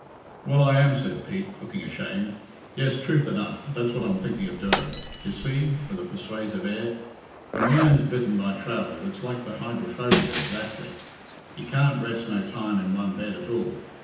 "Well, I am," said Pete, looking ashamed. "Yes, truth enough, that's what I'm thinking of doing. You see," with a persuasive air, "when a man's bitten by travel it's like the hydrophobia ezactly, he can't rest no time in one bed at all.